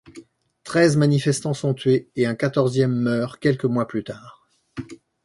Treize manifestants sont tués et un quatorzième meurt quelques mois plus tard.